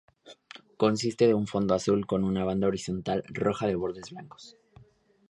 Consiste de un fondo azul con una banda horizontal roja de bordes blancos.